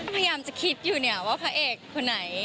พยายามจะคิดอยู่ว่าผู้อีกคู่ไหน